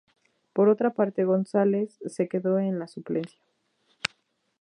Por otra parte, González quedó en la suplencia.